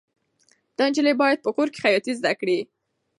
دا نجلۍ باید په کور کې خیاطي زده کړي.